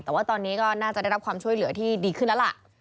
แต่ว่าตอนนี้ก็น่าจะได้รับความช่วยเหลือที่ดีขึ้นแล้วล่ะ